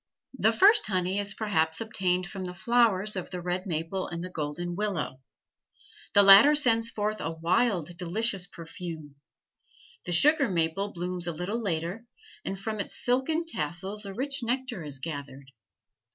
The first honey is perhaps obtained from the flowers of the red maple and the golden willow. The latter sends forth a wild, delicious perfume. The sugar maple blooms a little later, and from its silken tassels a rich nectar is gathered.